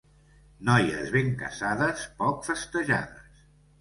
Noies ben casades, poc festejades.